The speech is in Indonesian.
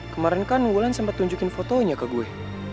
kemaren kan wulan sempet tunjukin fotonya ke gue